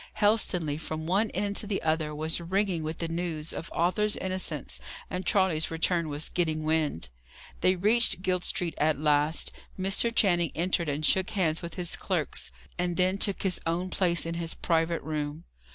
Helstonleigh, from one end to the other, was ringing with the news of Arthur's innocence; and Charley's return was getting wind. They reached Guild Street at last. Mr. Channing entered and shook hands with his clerks, and then took his own place in his private room.